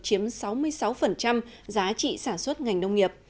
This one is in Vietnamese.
chiếm sáu mươi sáu giá trị sản xuất ngành nông nghiệp